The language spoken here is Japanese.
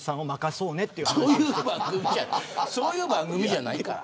そういう番組じゃないから。